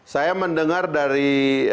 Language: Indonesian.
saya mendengar dari